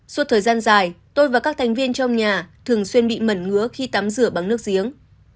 suốt thời gian dài tôi và các thành viên trong nhà thường xuyên bị mẩn ngứa khi tắm rửa bằng nước giếng